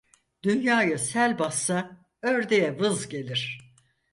Dünyayı sel bassa ördeğe vız gelir.